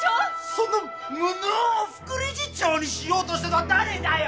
その無能を副理事長にしようとしてたのは誰だよ！